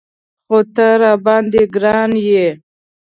خو ته راباندې ګران یې.